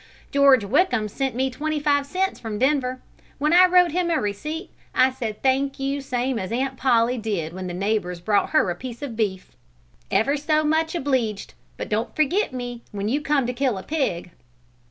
"George Wickham sent me twenty five cents from Denver. When I wrote him a receipt, I said thank you same as Aunt Polly did when the neighbours brought her a piece of beef: 'Ever so much obleeged, but don't forget me when you come to kill a pig.'